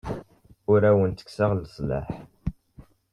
Ur awen-ttekkseɣ leslaḥ.